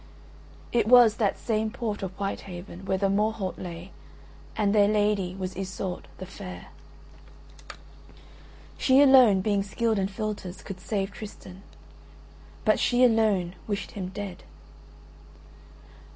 It was that same port of Whitehaven where the Morholt lay, and their lady was Iseult the Fair. She alone, being skilled in philtres, could save Tristan, but she alone wished him dead.